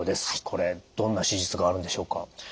これどんな手術があるんでしょうか？